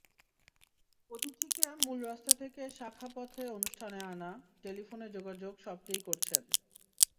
অতিথিকে মূল রাস্তা থেকে শাখা পথে অনুষ্ঠানে আনা, টেলিফোনে যোগাযোগ সবটিই করছেন।